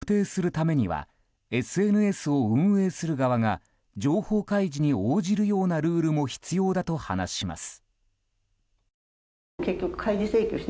投稿者を特定するためにはＳＮＳを運営する側が情報開示に応じるようなルールも必要だと話します。